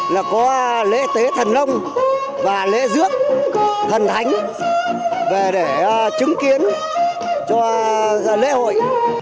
là có lễ tế thần lông và lễ dước thần thánh về để chứng kiến cho lễ hội